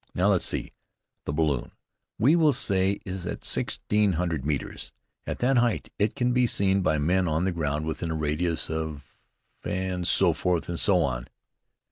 Now let's see. The balloon, we will say, is at sixteen hundred metres. At that height it can be seen by men on the ground within a radius of " and so forth and so on.